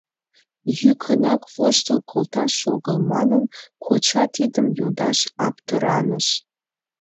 Йӱкынак воштыл колташ огыл манын, коча тидым йодаш аптыраныш.